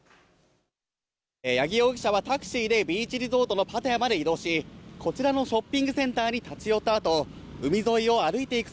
八木容疑者はタクシーでビーチリゾートのパタヤまで移動し、こちらのショッピングセンターに立ち寄ったあと、海沿いを歩いていく